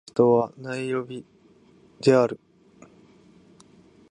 ケニアの首都はナイロビである